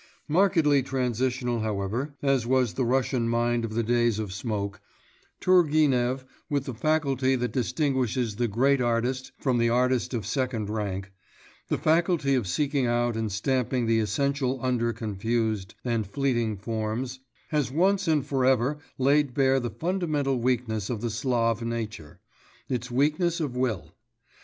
Markedly transitional, however, as was the Russian mind of the days of Smoke, Turgenev, with the faculty that distinguishes the great artist from the artist of second rank, the faculty of seeking out and stamping the essential under confused and fleeting forms, has once and for ever laid bare the fundamental weakness of the Slav nature, its weakness of will.